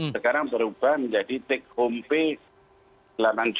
sekarang berubah menjadi take home pay